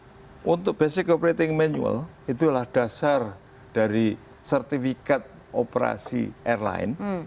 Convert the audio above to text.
jadi kita melihat bahwa untuk basic operating manual itulah dasar dari sertifikat operasi airline